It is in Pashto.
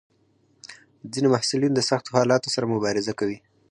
ځینې محصلین د سختو حالاتو سره مبارزه کوي.